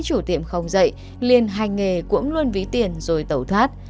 chủ tiệm không dậy liên hành nghề cũng luôn ví tiền rồi tẩu thoát